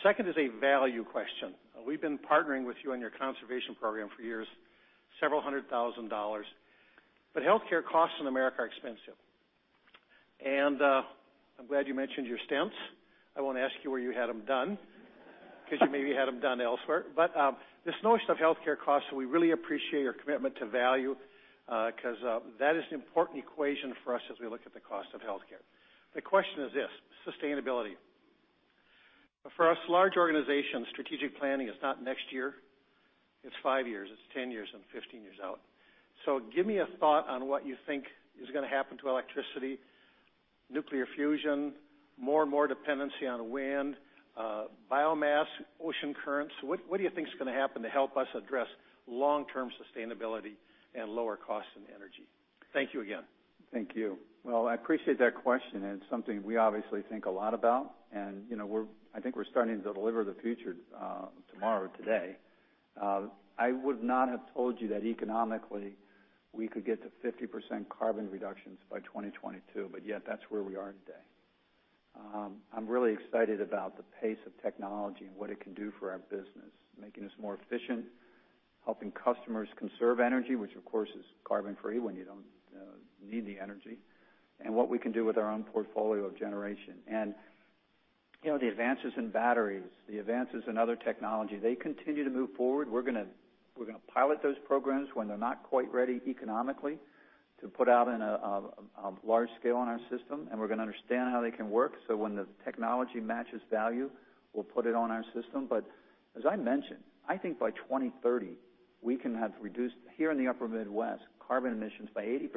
Second is a value question. We've been partnering with you on your conservation program for years, $several hundred thousand. Healthcare costs in America are expensive. I'm glad you mentioned your stents. I won't ask you where you had them done. You maybe had them done elsewhere. This notion of healthcare costs, we really appreciate your commitment to value, because that is an important equation for us as we look at the cost of healthcare. The question is this, sustainability. For us large organizations, strategic planning is not next year, it's 5 years, it's 10 years and 15 years out. Give me a thought on what you think is going to happen to electricity Nuclear fusion, more and more dependency on wind, biomass, ocean currents. What do you think is going to happen to help us address long-term sustainability and lower costs in energy? Thank you again. Thank you. Well, I appreciate that question, it's something we obviously think a lot about, I think we're starting to deliver the future tomorrow, today. I would not have told you that economically, we could get to 50% carbon reductions by 2022, yet that's where we are today. I'm really excited about the pace of technology and what it can do for our business, making us more efficient, helping customers conserve energy, which of course is carbon-free when you don't need the energy, and what we can do with our own portfolio of generation. The advances in batteries, the advances in other technology, they continue to move forward. We're going to pilot those programs when they're not quite ready economically to put out in a large scale on our system. We're going to understand how they can work. When the technology matches value, we'll put it on our system. As I mentioned, I think by 2030, we can have reduced, here in the upper Midwest, carbon emissions by 80%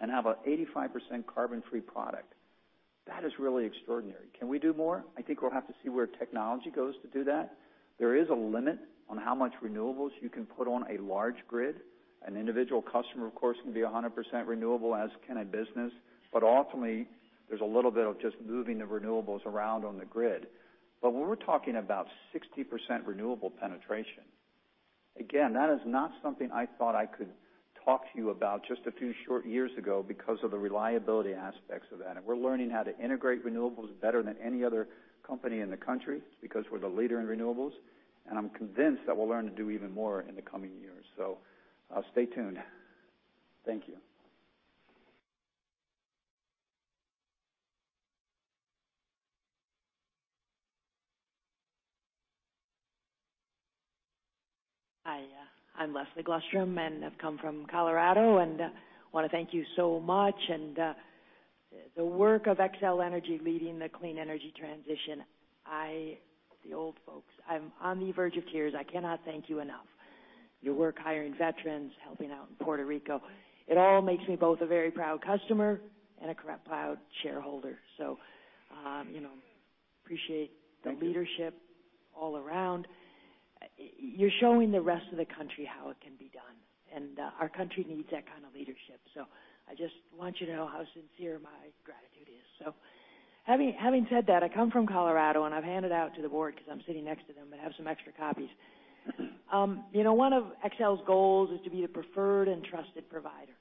and have a 85% carbon-free product. That is really extraordinary. Can we do more? I think we'll have to see where technology goes to do that. There is a limit on how much renewables you can put on a large grid. An individual customer, of course, can be 100% renewable, as can a business. Ultimately, there's a little bit of just moving the renewables around on the grid. When we're talking about 60% renewable penetration, again, that is not something I thought I could talk to you about just a few short years ago because of the reliability aspects of that. We're learning how to integrate renewables better than any other company in the country because we're the leader in renewables. I'm convinced that we'll learn to do even more in the coming years. Stay tuned. Thank you. Hi, I'm Leslie Glustrom, and I've come from Colorado, and want to thank you so much, and the work of Xcel Energy leading the clean energy transition. I, the old folks, I'm on the verge of tears. I cannot thank you enough. Your work hiring veterans, helping out in Puerto Rico, it all makes me both a very proud customer and a proud shareholder. Appreciate the leadership all around. You're showing the rest of the country how it can be done. Our country needs that kind of leadership. I just want you to know how sincere my gratitude is. Having said that, I come from Colorado. I've handed out to the board because I'm sitting next to them, I have some extra copies. One of Xcel's goals is to be the preferred and trusted provider.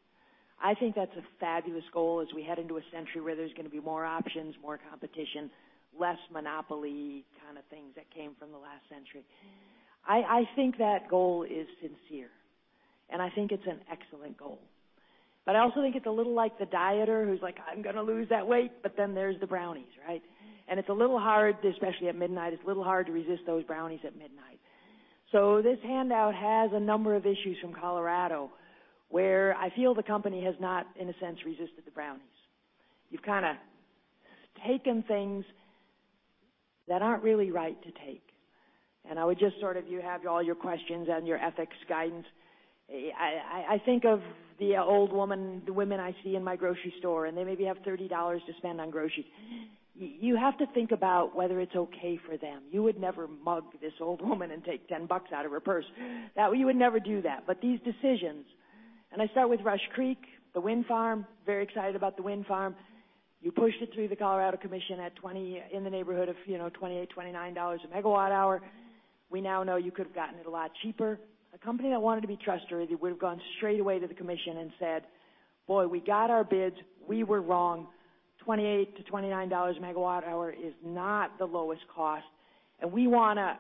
I think that's a fabulous goal as we head into a century where there's going to be more options, more competition, less monopoly kind of things that came from the last century. I think that goal is sincere. I think it's an excellent goal. I also think it's a little like the dieter who's like, "I'm going to lose that weight." Then there's the brownies, right? It's a little hard, especially at midnight, it's a little hard to resist those brownies at midnight. This handout has a number of issues from Colorado where I feel the company has not, in a sense, resisted the brownies. You've kind of taken things that aren't really right to take. You have all your questions and your ethics guidance. I think of the old woman, the women I see in my grocery store, and they maybe have $30 to spend on groceries. You have to think about whether it's okay for them. You would never mug this old woman and take $10 out of her purse. You would never do that. These decisions, and I start with Rush Creek, the wind farm, very excited about the wind farm. You pushed it through the Colorado Commission at 20, in the neighborhood of $28, $29 a megawatt hour. We now know you could have gotten it a lot cheaper. A company that wanted to be trustworthy would've gone straight away to the commission and said, "Boy, we got our bids. We were wrong. $28 to $29 a megawatt hour is not the lowest cost, and we want to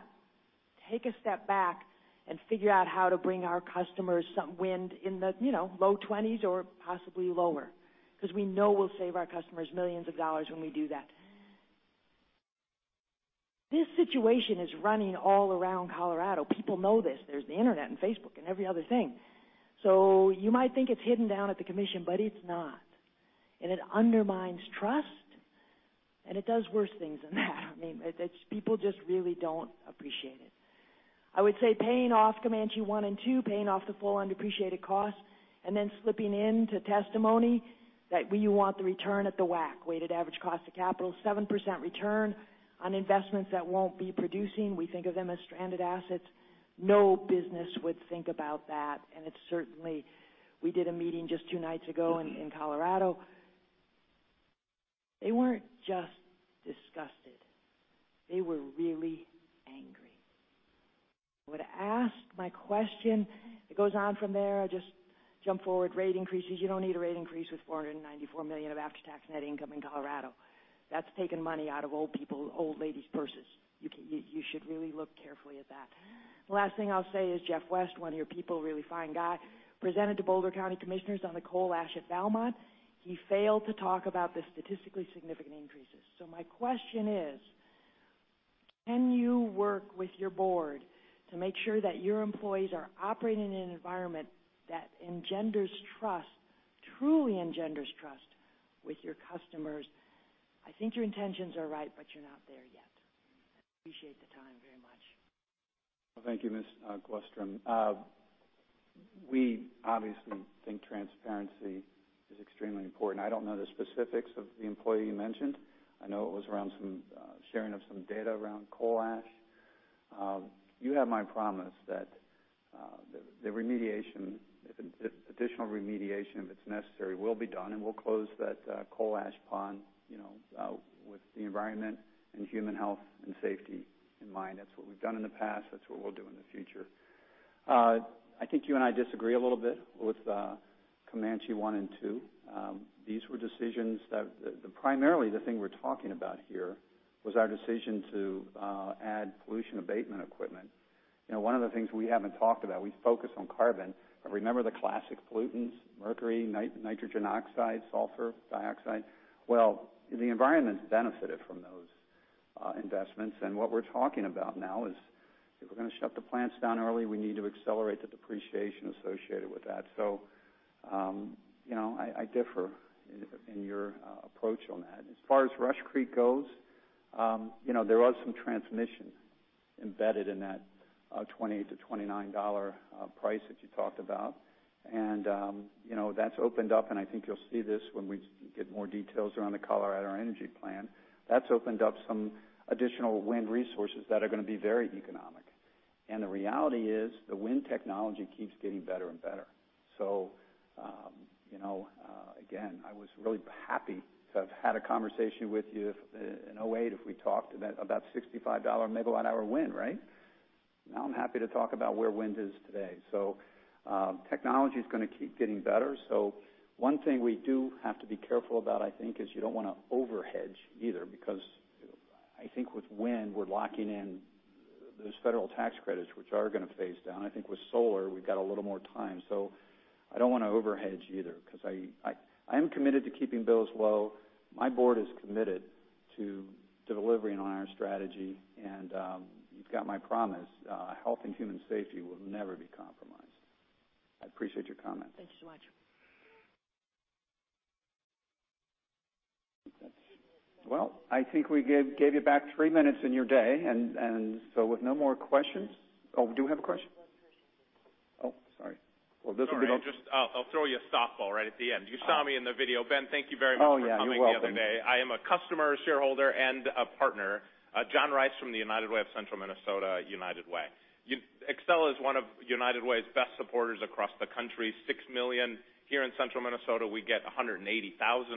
take a step back and figure out how to bring our customers some wind in the low 20s or possibly lower because we know we'll save our customers millions of dollars when we do that. This situation is running all around Colorado. People know this. There's the internet and Facebook and every other thing. You might think it's hidden down at the commission, but it's not. It undermines trust, and it does worse things than that. I mean, people just really don't appreciate it. I would say paying off Comanche 1 and 2, paying off the full undepreciated cost, and then slipping into testimony that you want the return at the WACC, weighted average cost of capital, 7% return on investments that won't be producing. We think of them as stranded assets. No business would think about that. It's certainly, we did a meeting just two nights ago in Colorado. They weren't just disgusted. They were really angry. I would ask my question. It goes on from there. I just jump forward. Rate increases. You don't need a rate increase with $494 million of after-tax net income in Colorado. That's taking money out of old people's, old ladies' purses. You should really look carefully at that. The last thing I'll say is Jeff West, one of your people, really fine guy, presented to Boulder County commissioners on the coal ash at Valmont. He failed to talk about the statistically significant increases. My question is: Can you work with your board to make sure that your employees are operating in an environment that engenders trust, truly engenders trust with your customers? I think your intentions are right, but you're not there yet. I appreciate the time very much. Well, thank you, Ms. Glustrom. We obviously think transparency is extremely important. I do not know the specifics of the employee you mentioned. I know it was around some sharing of some data around coal ash. You have my promise that the remediation, if additional remediation, if it is necessary, will be done, and we will close that coal ash pond with the environment and human health and safety in mind. That is what we have done in the past. That is what we will do in the future. I think you and I disagree a little bit with Comanche one and two. These were decisions that, primarily the thing we are talking about here was our decision to add pollution abatement equipment. One of the things we have not talked about, we focus on carbon, but remember the classic pollutants, mercury, nitrogen oxide, sulfur dioxide? Well, the environment has benefited from those investments. What we are talking about now is if we are going to shut the plants down early, we need to accelerate the depreciation associated with that. I differ in your approach on that. As far as Rush Creek goes, there was some transmission embedded in that $20-$29 price that you talked about. That has opened up, and I think you will see this when we get more details around the Colorado Energy Plan, that has opened up some additional wind resources that are going to be very economic. The reality is, the wind technology keeps getting better and better. Again, I was really happy to have had a conversation with you in 2008 if we talked about $65 megawatt hour wind, right? Now I am happy to talk about where wind is today. Technology is going to keep getting better. One thing we do have to be careful about, I think, is you do not want to overhedge either, because I think with wind, we are locking in those federal tax credits, which are going to phase down. I think with solar, we have got a little more time. I do not want to overhedge either, because I am committed to keeping bills low. My board is committed to delivering on our strategy. You have got my promise, health and human safety will never be compromised. I appreciate your comment. Thank you so much. I think we gave you back three minutes in your day, with no more questions. Do we have a question? Sorry. This will be. Sorry, I'll throw you a softball right at the end. You saw me in the video. Ben, thank you very much for coming the other day. Yeah. You're welcome. I am a customer, shareholder, and a partner. John Rice from the United Way of Central Minnesota, United Way. Xcel is one of United Way's best supporters across the country, $6 million. Here in central Minnesota, we get $180,000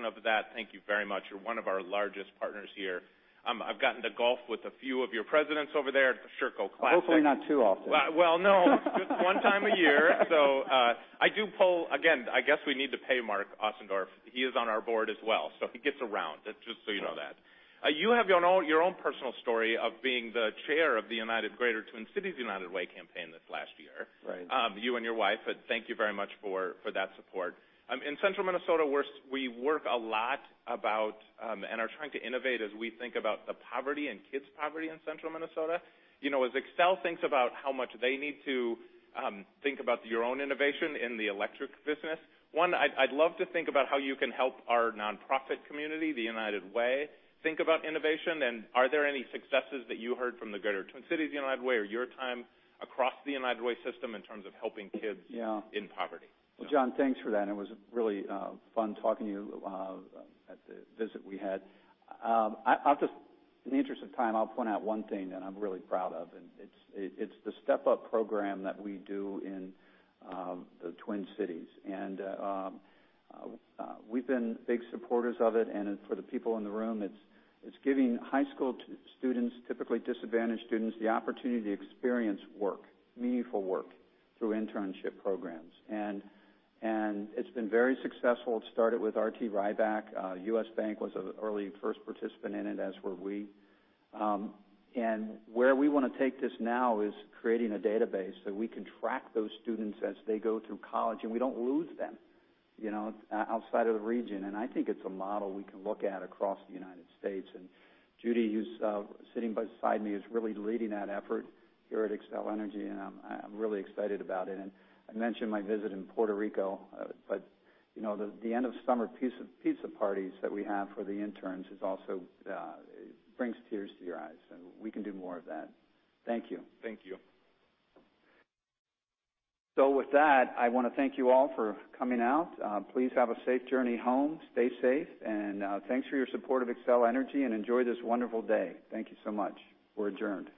of that. Thank you very much. You're one of our largest partners here. I've gotten to golf with a few of your presidents over there at Sherco Classic. Hopefully not too often. No, just one time a year. I do pull, again, I guess we need to pay Mark Ostenso. He is on our board as well, so he gets around. Just so you know that. You have your own personal story of being the chair of the Greater Twin Cities United Way campaign this last year. Right. You and your wife. Thank you very much for that support. In central Minnesota, we work a lot about, and are trying to innovate as we think about the poverty and kids' poverty in central Minnesota. As Xcel thinks about how much they need to think about your own innovation in the electric business. One, I'd love to think about how you can help our nonprofit community, the United Way, think about innovation. Are there any successes that you heard from the Greater Twin Cities United Way or your time across the United Way system in terms of helping kids in poverty? Well, John, thanks for that. It was really fun talking to you at the visit we had. In the interest of time, I'll point out one thing that I'm really proud of, and it's the Step Up program that we do in the Twin Cities. We've been big supporters of it. For the people in the room, it's giving high school students, typically disadvantaged students, the opportunity to experience work, meaningful work, through internship programs. It's been very successful. It started with R.T. Rybak. U.S. Bank was an early first participant in it, as were we. Where we want to take this now is creating a database so we can track those students as they go through college, and we don't lose them outside of the region. I think it's a model we can look at across the United States. Judy, who's sitting beside me, is really leading that effort here at Xcel Energy, and I'm really excited about it. I mentioned my visit in Puerto Rico. The end of summer pizza parties that we have for the interns, it brings tears to your eyes, and we can do more of that. Thank you. Thank you. With that, I want to thank you all for coming out. Please have a safe journey home, stay safe, and thanks for your support of Xcel Energy, and enjoy this wonderful day. Thank you so much. We're adjourned